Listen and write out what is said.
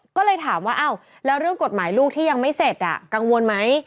ก็เลยถามว่าอ้าวแล้วเรื่องกฎหมายลูกที่ยังไม่เสร็จกังวลไหม